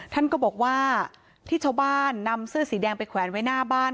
ท่านก็บอกว่าที่ชาวบ้านนำเสื้อสีแดงไปแขวนไว้หน้าบ้าน